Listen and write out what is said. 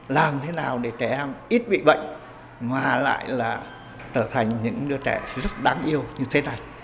làm thế nào để trẻ em ít bị bệnh mà lại là trở thành những đứa trẻ rất đáng yêu như thế này